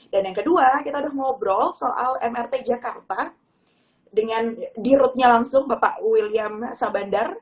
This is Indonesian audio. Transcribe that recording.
dan yang kedua kita sudah ngobrol soal mrt jakarta dengan dirutnya langsung bapak william sabandar